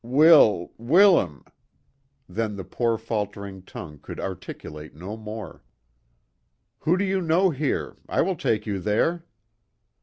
" "Will, Will am"; then the poor faltering tongue could articulate no more. "Who do you knovv here? I will take you there."